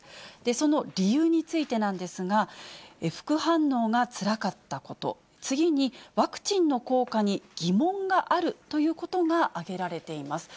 その理由についてなんですが、副反応がつらかったこと、次に、ワクチンの効果に疑問があるということが挙げられています。